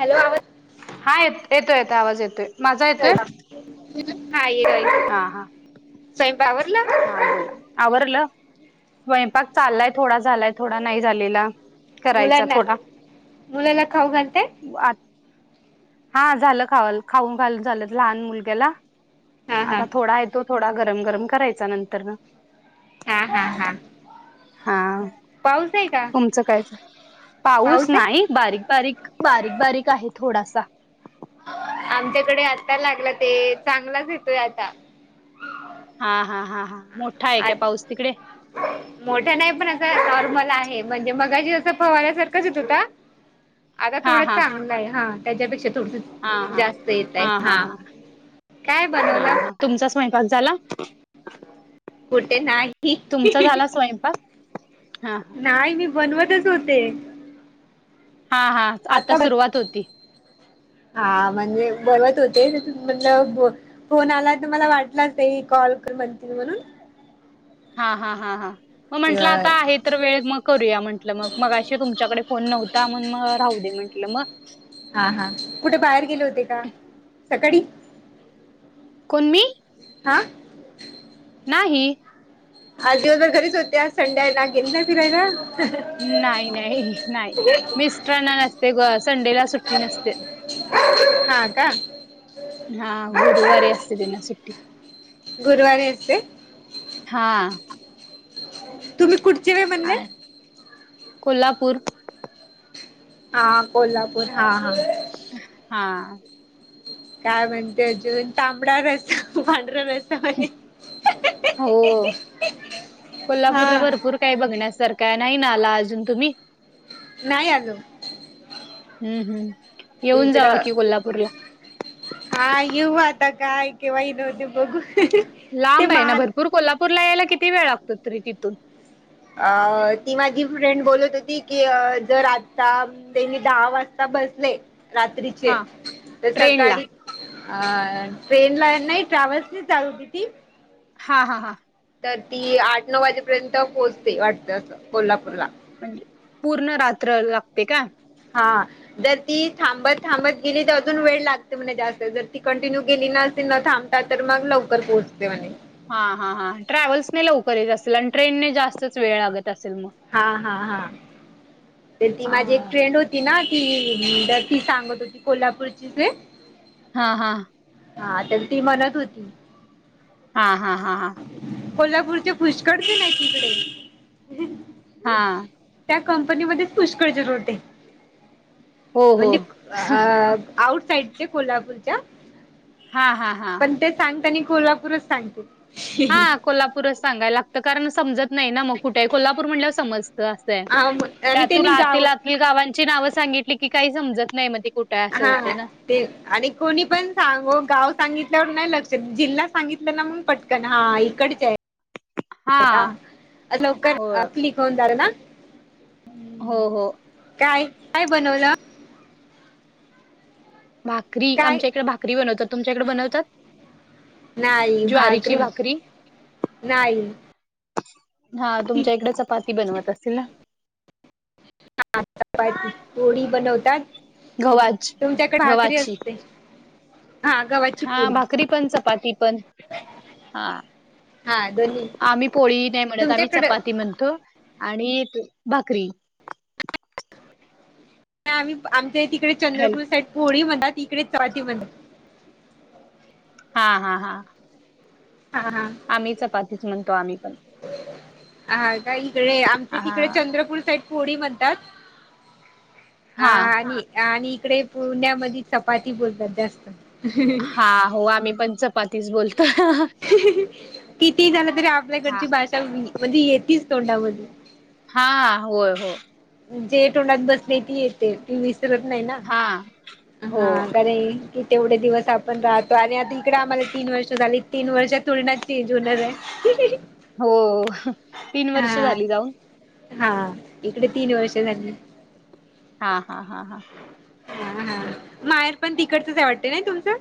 Hello आवाज हा येत येतो येतो आवाज येतोय माझा येतोय हा आहे हा हा [unintelligible] आवरला ना हा बोला, आवरलं? स्वयंपाक चाललाय थोडा झालाय थोडा नाही झालेला करायचा मुलांना थोडा मुलाला खाऊ घालताय? [unintelligible] हा झालं खावाल खाऊन घाल झालं लहान मुलग्याला हा हा आता थोडा तो थोडा गरम गरम करायचा नंतर ना हा हा हा हा पाऊस आहे का? तुमचं कायच पाऊस नाही बारीक बारीक बारीक बारीक आहे थोडासा आमच्याकडे आत्ता लागला ते चांगलाच येतोय आता हा हा हा हा मोठा आहे काय पाऊस तिकडे मोठं नाही पण असं नॉर्मल आहे म्हणजे मगाशी असं फवाऱ्या सारखाच येत होता आता हा थोडंच हा चांगलं आहे हा त्याच्यापेक्षा थोडं हा हा हा हा ह काय हा बनवलं? हा तुमचा स्वयंपाक झाला? कुठे नाही तुमचा काय झाला स्वयंपाक हा नाही बनवतच होते हा हा आता सुरुवात होती हा म्हणजे बोलत होते म्हटल फोन आलाय तर मला वाटलाच कॉल म्हणतील म्हणून हा हा हा हा मग किंवा म्हंटलं आता आहेत तर वेळ मग करूया म्हटलं मग मग अे तुमच्याकडे फोन नव्हता मण मग राहू दे म्हटलं मग हा हा कुठे बाहेर गेले होते का सकाळी कोण मी हा नाही आजी बरोबर घरीच होते आज संडे आहे ना गेल नाही फिरायला नाही नाही नाही मिस्टरांना नसते ग संडेला सुट्टी नसते [unintelligible] हा का हा गुरुवारी असते तेना सुट्टी गुरुवारी असते हा तुम्ही कुठचे वे म्हणले आ- कोल्हापूर हा कोल्हापूर हा हा हा काय म्हणते अजून तांबडा रस्सा पांढरा रस्सा म्हणे हो कोल्हापूरला हा भरपूर काही बघण्यासारखं आहे, नाही ना आला अजून तुम्ही नाही आलो हम्म हम्म येऊन जावा इकडं कि कोल्हापूरला हा येऊ आता काय केव्हा येणं होत बघू ते लांब आहे ना माल भरपूर कोल्हापूरला यायला किती वेळ लागतो तरी तिथून? अ ती माझी फ्रेंड बोलत होती की जर आता नी दहा वाजता बसले रात्रीचे हा तर ट्रेनला सकाळी. अ ट्रेन ला नाही ट्रॅव्हल्स नाही चालत होती? हां हां हां. तर ती आठ नऊ वाजेपर्यंत पोहोचते वाटतय असं कोल्हापूरला म्हणजे पूर्ण रात्र लागते का? हा जर ती थांबत थांबत गेली तर अजून वेळ लागतो? म्ह जास्त जर ती कंटिन्यू गेली ने न थांबता तर मग लवकर पोहोचते म्हणे हा हा हा ट्रॅव्हल्सनेे लवकरच असेल आणि ट्रेनने जास्तच वेळ लागत असेल मग? हा हा हा तर ती हा माझी एक फ्रेंड होती? ना की ती सांगत होती कोल्हापूरची जे हा हा हा तर ती म्हणत होती? हा हा हा हा कोल्हापूरचे पुष्कर पण आहे नाही तिकडे? हा त्या कंपनीमध्येच पुष्कळ जरूते हो हो म्हणजे अ आउट साइड चे कोल्हापूरच्या हा हा हा सांगनी कोल्हापूरच सांगते. हा कोल्हापूरच सांगायला लागतं कारण समजत नाही ना मग कुठेही कोल्हापूर म्हटलंवर समजतं हा मग आणि त्यातून त्यांनी आ गाव आतील गावांची नाव सांगितली की काही समजत नाही म कुठ हा! ते आणि कोणी पण सांगो गाव सांगितल्यावर नाही लक्ष जिल्हा सांगितलं ना मग पट कन हा इकडच आहे? हा हो का? लवकर हो क्लिक होऊन जात ना? हो हो काय काय बनवलं? भाकरी काय आमच्या इकडे भाकरी बनवतात तुमच्या इकडे बनवतात? नाही भाकरी नाही. हा तुमच्या इकडे चपाती बनवत असतील ना? हा चपाती पोळी बनवतात? गव्हाची तुमच्याकडे भाकरी गव्हाची असते हा गवा हा भाकरी पण चपाती पण हा. हा दोन्ही आम्ही पोळी नाही म्हणत आम्ही तुमच्याकडे चपाती म्हणतो आणि भाकरी. आम्ही आमच्या तिकडे हॅलो चंद्रपूर साईड पोळी मण तिकडे चपाती म्हणत. हा हा हा! हा हा आम्हीच चपातीच म्हणतो आम्ही पण? हा का इकडे आमचे हा तिकडे चंद्रपूर साईट पोळी म्हणतात अ हा आणि आणि इकडे पुण्यामध्ये चपाती बोलतात जास्त ह हो आम्ही पण चपातीच बोलतो? किती झालं तरी हा आपल्याकडची भाषा म्हणजे येते तोंडामध्ये. हा हा होय होय? जे तोंडात बसले ती येते ती विसरत नाही ना हा हो हा का कि तेवढे दिवस आपण राहतो आणि आता इकडे आम्हाला तीन वर्ष झाली तीन वर्ष थोडी ना चेंज होणार आहे? [unintelligible] हो तीन वर्ष हा झाली जाऊन? हा इकडे तीन वर्षे झाली. हा हा हा हा. हा हा माहेर पण तिकडचच आहे वाटते नाही तुमचं?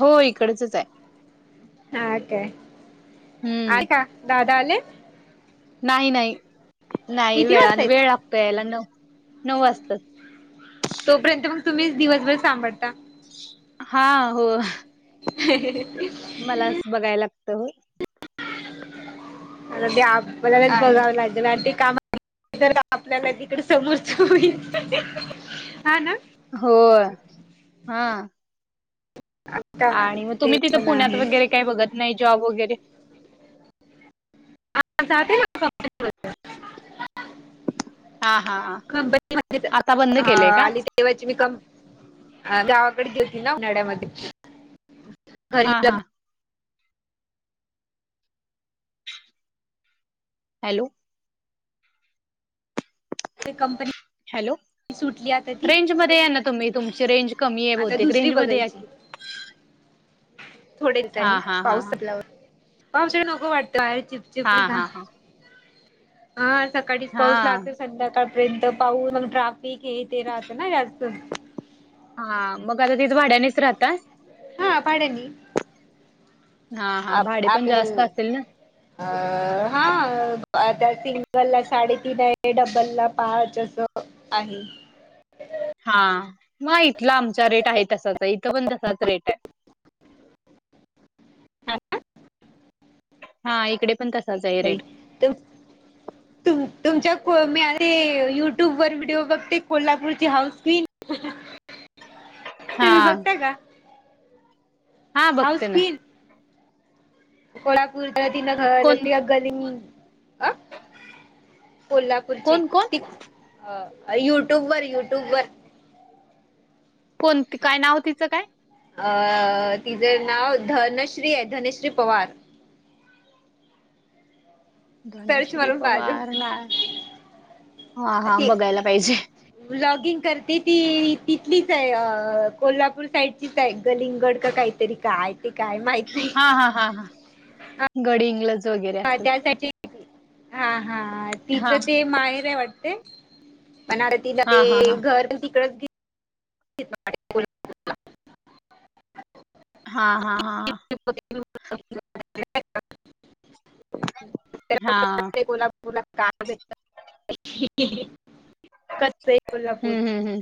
होय इकडचच आहे. हा काय हम्म आले का दादा आले? नाही नाही नाही किती वेळ वाजता आणि वेळ आहेत लागतो यायला नऊ नऊ वाजतं. तोपर्यंत मग तुम्हीच दिवसभर सांभाळता? हा हो. [inaudible] मला असं बघायला लागतं हो. ते आपल्यालाच आणि बघावं लागेल आणि ते कामं तर आपल्याला तिकडं समोरच होईल हा ना. हो हाय. आणि मग ते तुम्ही तिथं पण पुण्यात आहे वगैरे काही बघत नाही जॉब वगैरे? हा जाते ना [unintelligible] हा हा हा. कंपनी मध्येच आता बंद हा केलंय का आणि ते तेव्हाची मी कम गावाकडे घेतली ना उन्हाळ्यामध्ये घरी हा हा. लग्न हॅलो ते कंपनी हॅलो सुटली आता ती रेंज मध्ये या ना तुम्ही तुमची रेंज कमी आहे आता बहूतेक दुसरी रेंज मध्ये या की. थोडेया दिवसांनी हा हा हा पाऊस संपलावर पावस आहे नको वाटतं बाहेर हा चिपचिपली का हा हा हा सकाळीच हा पाऊस हा लागतो संध्याकाळ ट्रेन तर पाहून मग ट्राफिक हे ते राहतं ना जास्त. हा मग आता तिथ भाड्यानेच राहतात? हा भाड्याने. हा हा भाडे पण जास्त आपलं असेल ना. अ हा हा आता सिंगल ला साडेतीन आहे डबल ला पाच असं आहे. हा म इथला आमचा रेट आहे तसच आहे इथं पण तसाच रेट आहे. हा इकडे पण तसं बाई त तुम तुमच्या [unintelligible] युट्यूब वर व्हिडिओ बघते कोल्हापूरची हाऊस क्वीन हा तुम्ही बघता का? हा बघते ना. कोल्हापूरचा तिनं कोण घरं [unintelligible] गली अ कोल्हा पूर्ची कोण कोण तीच युट्यूब वर युट्यूब वर कोण ती काय नाव तिचं काय? अ तिचें नाव धनश्री आहे धनश्री पवार. सर्च धनश्री मारून पाहाजो पवार नाय हा हा बघायला पाहिजे. व्लॉगिंग करते ती तिथलीच आहे कोल्हापूर साईडचीच आहे गलिंगड का काही तरी काय ते काय माही हा हा हा हा गडींगलाच हा त्या साइडची हा हा हा तिचं ते माहेर आहे वाटते. पण आरतीला ते हा हा हा घर पण तिकडचं [unintelligible] हां हां हां हां ग हा [inaudible] तुला का भट [inaudible] कस आहे कोल्हापूर हम्म हम्म हम्म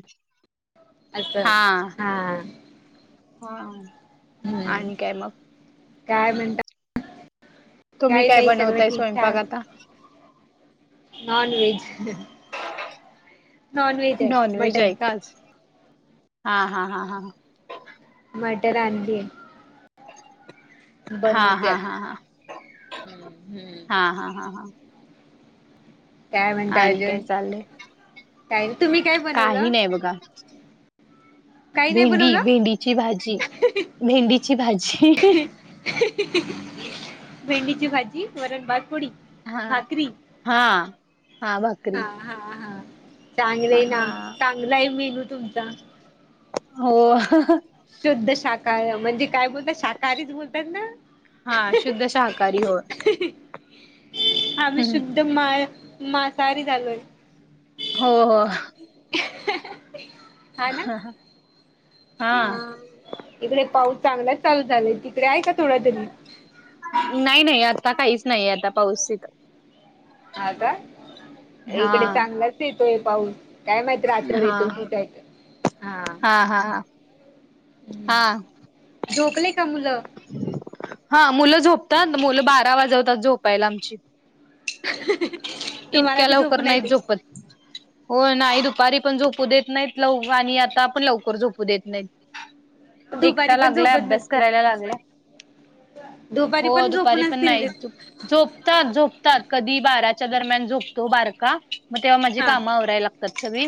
असं हा [inaudible] हा हम्म आणि काय मग काय म्हणट तुम्ही काही काय नाही सर्व बनवताय स्वयंपाक ठीकठाक आता non veg non veg non veg mutton आहे आज हा हा हा हा मटर आनलीय. हा बनवते हा आता हा हा हम्म हम्म हा हा हा हा. काय म्हणता आणि अर्जून काय चाललंय कायरी तुम्ही काय बनवलं. बघ काही नाही भेंडी बनवलं भेंडीची भाजी भेंडीची भाजी. भेंडीची भाजी वरण भात पोळी. हा भाकरी हा हा भकरी. हा हा चांगलं आहे ना चांगला आहे मेनू तुमचा. हो. शुद्ध शाख म्हणजे काय बोलत श काधच बोलतात ना. हा शुद्ध शाकाहारी हो आम्ही शुद्ध माळ मसाहारी झालोय. हो हो [inaudible] हा हा हा इकडे पाऊस चांगलाच चालू झालाय तिकडे आहे का थोड तरी. नाही नाही आता काहीच नाहीे आता पाऊस इथं. हा का हा इकडे चांगलाच येतोय पाऊस. काय माहित रत मर हा येतो कठीकय हा. हा हा हा. हा. झोपले का मुलं. हा मुलं झोपतात मुलं बारा वाजवतात झोपायला आमची. तुम्हाला इतक्या बी लवकर झोपू नाही नाहीत देत झोपत. हो नाही दुपारी पण झोपू देत नाहीत लव आणि आता पण लवकर झोपू देत नाहीत. दुपारी एकटा पण लागला झोपत अभ्यास नसतील करायला लागले. दुपारी हो पण दुपारी झोपून पण असतील नाही ते झोपतात झोपतात कधी बाराच्या दरम्यान झोपतो बारका मग तेव्हा माझी हा काम आवरायला लागत चछ मी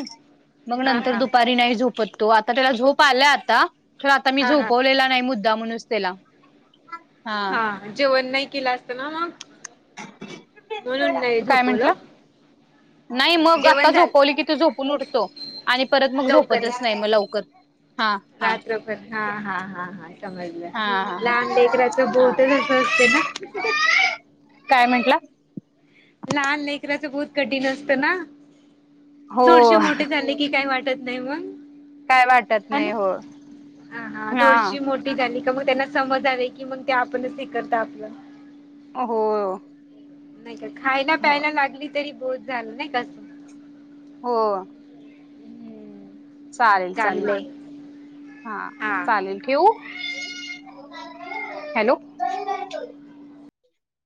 मग हा नंतर हा दुपारी नाही झोपतो आता त्याला झोप आला आता. च आता मी हा हा झोपवलेला नाही मुद्दा म्हणूनच त्याला. हा जेवण नाही केलं असत ना मग. म्हणून नाही काय झोपवलं. म्हंटलं नाही मग आता जेवण झालं झोपवली की तू झोपून उठतो. आणि परत मग झोपतच नाही मग लवकर. हा हा रात्र पर हा हा हा हा. समजलं हा हा लहान डेकराच बोतच हा अस असते ना. काय म्हंटलं. लहान लेकराचं बहुत कठीण असतं ना. हो थोडीशी मोठे झाले की, काही वाटत नाही मग. काय वाटत नाही हो हा हा तुळशी मो ली का मग त्यांना समजा की मग ते आपणच हे करत आपलं. हो हो. नाही का खायला प्यायला लागली तरी बोध झालं नाही कसं. हो. चालेल चालेल चांगलंय हा चालेल. ठेऊ हॅलो.